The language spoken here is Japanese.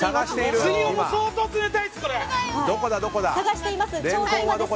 水温も相当、冷たいです。